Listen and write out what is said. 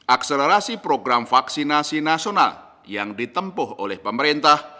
akselerasi program vaksinasi nasional yang ditempuh oleh pemerintah